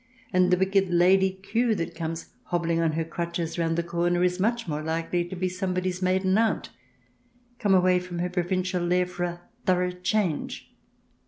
And the wicked Lady Kew person, that comes hobbling on her crutches round the corner, is much more likely to be someone's maiden aunt, come away from her provincial lair for a " thorough change